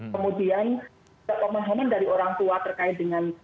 kemudian pemahaman dari orang tua terkait dengan